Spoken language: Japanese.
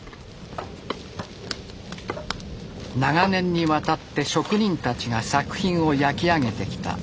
長年にわたって職人たちが作品を焼き上げてきた登り窯。